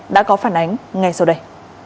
đã có phản ánh ngay sau đây